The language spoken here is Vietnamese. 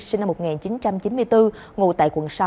sinh năm một nghìn chín trăm chín mươi bốn ngủ tại quận sáu